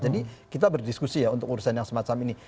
jadi kita berdiskusi ya untuk urusan yang semacam ini